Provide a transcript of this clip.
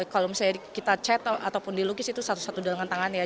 kalau misalnya kita chat ataupun dilukis itu satu satu dalengan tangan ya